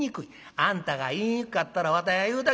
「あんたが言いにくかったらわてが言うたげま。